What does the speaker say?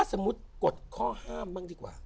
สมมุติกดข้อห้ามบ้างดีกว่า